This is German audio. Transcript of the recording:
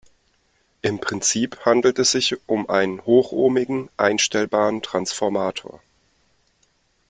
Im Prinzip handelt es sich um einen hochohmigen, einstellbaren Transformator.